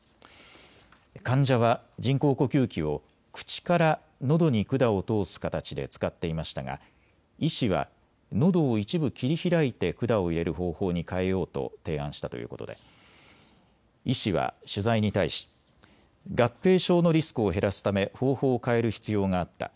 患者は人工呼吸器を口からのどに管を通す形で使っていましたが、医師はのどを一部切り開いて管を入れる方法に変えようと提案したということで医師は取材に対し合併症のリスクを減らすため方法を変える必要があった。